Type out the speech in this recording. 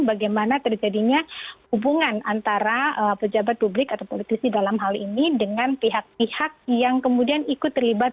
bagaimana terjadinya hubungan antara pejabat publik atau politisi dalam hal ini dengan pihak pihak yang kemudian ikut terlibat